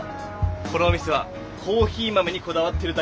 このお店はコーヒー豆にこだわってるだけじゃないんです。